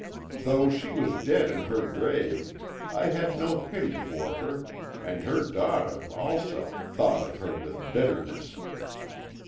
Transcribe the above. Though she was dead in her grave I had no pity for her, and her daughter, also, thought of her with bitterness.